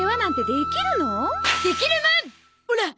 できるもんっ！